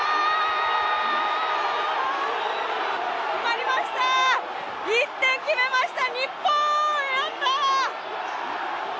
決まりました、１点決めました、日本やったー！